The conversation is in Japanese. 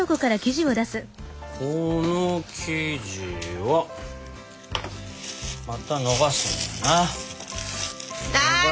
この生地はまたのばすんだな。